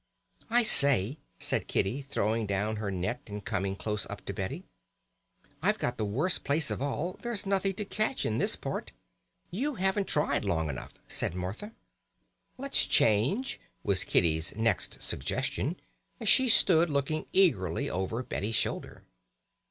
"I say," said Kitty, throwing down her net and coming close up to Betty, "I've got the worst place of all, there's nothing to catch in this part!" "You haven't tried long enough," said Martha. "Let's change," was Kitty's next suggestion as she stood looking eagerly over Betty's shoulder.